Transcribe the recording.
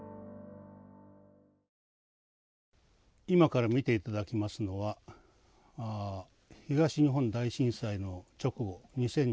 今から見て頂きますのは東日本大震災の直後